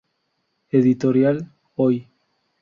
Editorial Hoy.